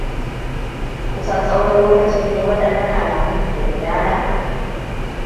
kusan tsawon lokacin ne waɗannan alamun ke gudana?